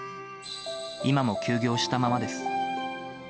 今も休業したままです。